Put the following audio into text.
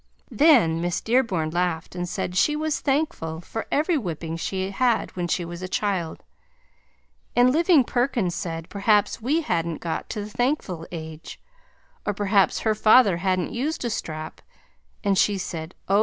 Then Miss Dearborn laughed and said she was thankful for every whipping she had when she was a child, and Living Perkins said perhaps we hadn't got to the thankful age, or perhaps her father hadn't used a strap, and she said oh!